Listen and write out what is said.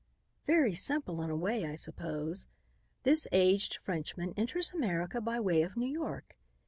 Very simple, in a way, I suppose. This aged Frenchman enters America by way of New York.